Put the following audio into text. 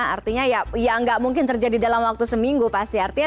artinya ya nggak mungkin terjadi dalam waktu seminggu pasti artinya